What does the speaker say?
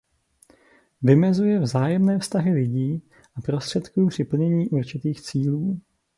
Vymezuje vzájemné vztahy lidí a prostředků při plnění určitých cílů.